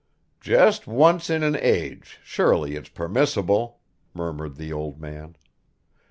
"Just once in an age, surely it's permissible," murmured the old man.